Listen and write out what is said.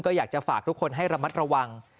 ก็อยากจะฝากทุกคนให้ระมัดระวัง